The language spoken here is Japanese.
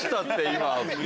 今。